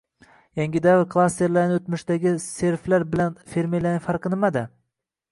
Yangi davr klasterlarining o'tmishdagi serflari bilan fermerlarning farqi nimada?